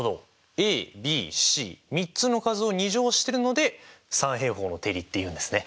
ａｂｃ３つの数を２乗してるので三平方の定理っていうんですね。